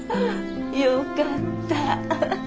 よかった。